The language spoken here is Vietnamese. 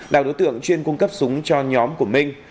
là đối tượng chuyên cung cấp súng cho nhóm của minh